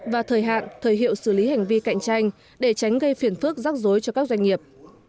và thời hạn thời hiệu xử lý hành vi cạnh tranh để tránh gây phiền phức rối cho các doanh nghiệp